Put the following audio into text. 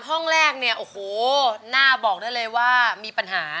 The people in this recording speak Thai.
ห้องแรกเนี่ยโอ้โหหน้าบอกได้เลยว่ามีปัญหา